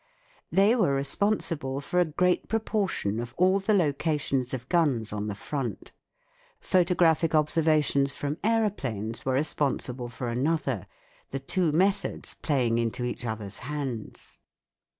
They were responsible for a great proportion of all the locations of guns on the front ; photographic observations from aeroplanes were responsible for another, the two methods playing into each other's hands.